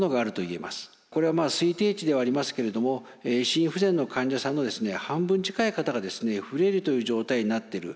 これは推定値ではありますけれども心不全の患者さんの半分近い方がフレイルという状態になっている。